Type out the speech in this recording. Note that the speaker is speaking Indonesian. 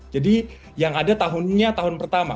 jadi yang ada tahunnya tahun pertama